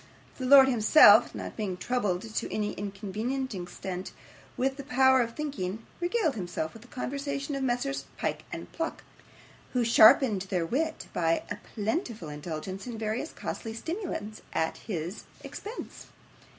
The lord himself, not being troubled to any inconvenient extent with the power of thinking, regaled himself with the conversation of Messrs Pyke and Pluck, who sharpened their wit by a plentiful indulgence in various costly stimulants at his expense.